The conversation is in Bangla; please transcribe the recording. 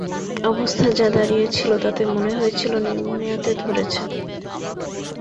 অবস্থা যা দাঁড়িয়েছিল, তাতে মনে হয়েছিল নিউমোনিয়াতে ধরেছে।